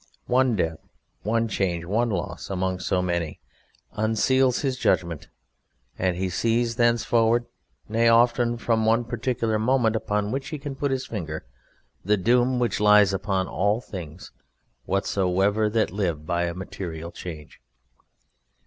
One death, one change, one loss, among so many, unseals his judgment, and he sees thenceforward, nay, often from one particular moment upon which he can put his finger, the doom which lies upon all things whatsoever that live by a material change.